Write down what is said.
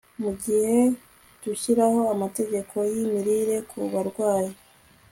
mu gihe dushyiraho amategeko yimirire ku barwayi